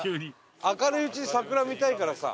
明るいうちに桜見たいからさ。